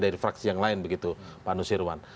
dari fraksi yang lain begitu pak nusirwan